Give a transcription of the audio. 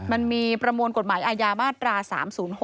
มันมีประมวลกฎหมายอาญามาตรา๓๐๖